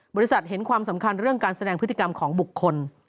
เห็นความสำคัญเรื่องการแสดงพฤติกรรมของบุคคล